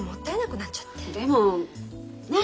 でもねえ！